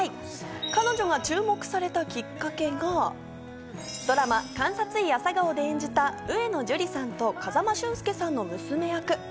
彼女が注目されたきっかけが、ドラマ『監察医朝顔』で演じた上野樹里さんと風間俊介さんの娘役。